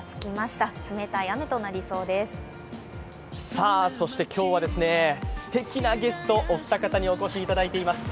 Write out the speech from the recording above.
さあ、そして今日はすてきなゲスト、お二方にお越しいただいています。